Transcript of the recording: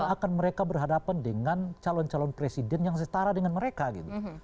karena akan mereka berhadapan dengan calon calon presiden yang setara dengan mereka gitu